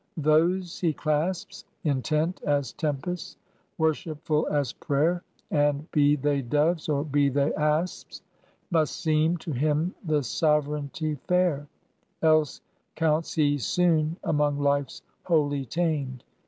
Those he clasps, Intent as tempest, worshipful as prayer, And be they doves or be they asps, Must seem to him the sovereignty fair; Else counts he soon among life's wholly tamed.